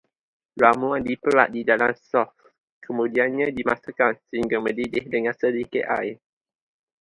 Ramuan diperap di dalam sos, kemudian dimasukkan sehingga mendidih dengan sedikit air